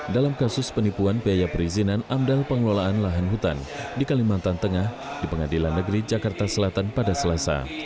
dalam kasus penipuan biaya perizinan amdal pengelolaan lahan hutan di kalimantan tengah di pengadilan negeri jakarta selatan pada selasa